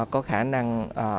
có khả năng